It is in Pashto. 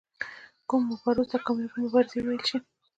کومو مبارزو ته کامیابه مبارزې وویل شي.